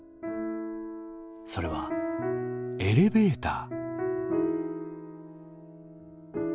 それはエレベーター。